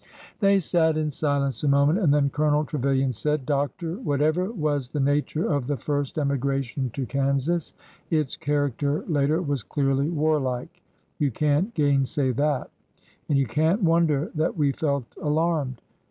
They sat in silence a moment, and then Colonel Tre vilian said :'' Doctor, whatever was the nature of the first emigration to Kansas, its character later was clearly warlike. You can't gainsay that. And you can't wonder that we felt alarmed.